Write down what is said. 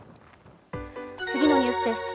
次のニュースです。